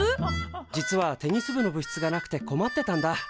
実はテニス部の部室がなくて困ってたんだ。